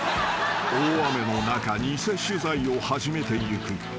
［大雨の中偽取材を始めていく］